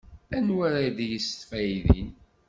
Anwa ara d-yesfaydin?